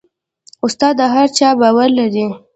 استاد د هر چا باور لري.